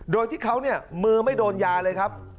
โดยที่เขาเนี่ยมือไม่โดนยาเลยครับ